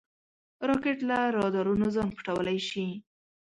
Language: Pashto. راکټ له رادارونو ځان پټولی شي